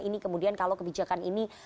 ini kemudian kalau kebijakan ini